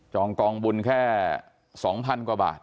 กองบุญแค่๒๐๐๐กว่าบาท